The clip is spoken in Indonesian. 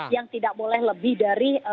yang tidak boleh lebih dari